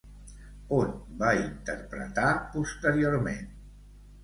On va interpretar posteriorment?